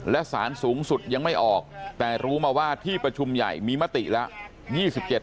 และสารสูงสุดยังไม่ออกแต่รู้มาว่าที่ประชุมใหญ่มีมติแล้ว